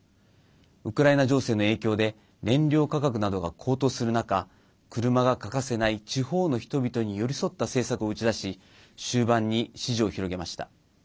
ウクライナ情勢の影響で燃料価格などが高騰する中車が欠かせない、地方の人々に寄り添った政策を打ち出し終盤に支持を広げました。